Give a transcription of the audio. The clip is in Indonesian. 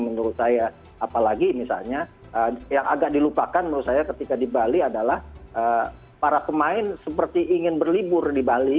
menurut saya apalagi misalnya yang agak dilupakan menurut saya ketika di bali adalah para pemain seperti ingin berlibur di bali